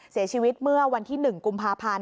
เสียชีวิตเมื่อวันที่๑กุมภาพันธ์